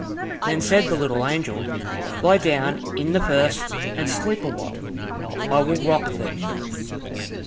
Then said the little angel, "Lie down in the first, and sleep a while, I will rock thee."